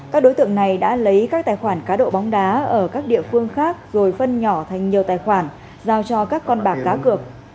các đối tượng này đã lấy các tài khoản cá độ bóng đá ở các địa phương khác rồi phân nhỏ thành nhiều tài khoản giao cho các con bạc cá cược